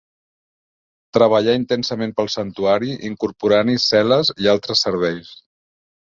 Treballà intensament pel santuari, incorporant-hi cel·les i altres serveis.